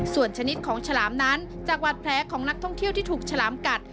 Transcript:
ส่วนชนิดของฉลามนั้นจากวัดแผลของนักท่องเที่ยวที่ถูกฉลามกัด